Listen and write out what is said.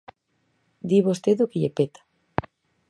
Di vostede o que lle peta.